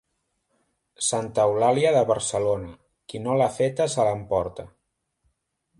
Santa Eulàlia de Barcelona, qui no l'ha feta se l'emporta.